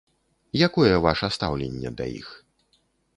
Якое ваша стаўленне да іх?